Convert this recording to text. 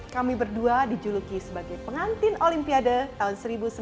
kami berdua dijuluki sebagai pengantin olimpiade tahun seribu sembilan ratus sembilan puluh